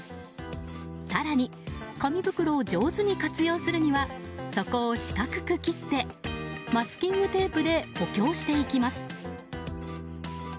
更に紙袋を上手に活用するには底を四角く切ってマスキングテープで補強していきます。